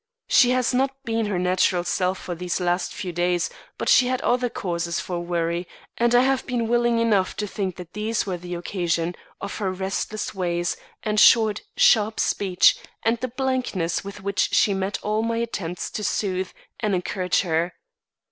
She has not been her natural self for these last few days, but she had other causes for worry, and I have been willing enough to think that these were the occasion of her restless ways and short, sharp speech and the blankness with which she met all my attempts to soothe and encourage her.